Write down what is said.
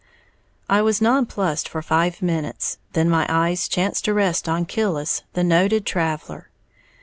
I was non plussed for five minutes; then my eyes chanced to rest on Killis, the noted traveller.